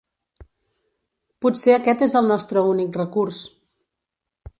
Potser aquest és el nostre únic recurs.